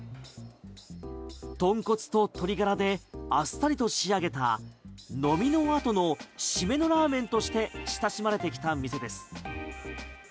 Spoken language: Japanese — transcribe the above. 豚骨と鶏ガラであっさりと仕上げた飲みの後の締めのラーメンとして親しまれてきた店です。